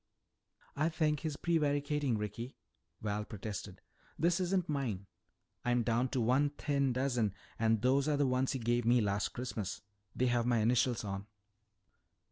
"I think he's prevaricating, Ricky," Val protested. "This isn't mine. I'm down to one thin dozen and those are the ones you gave me last Christmas. They have my initials on."